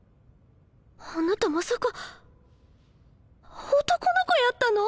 あなたまさか男の子やったの？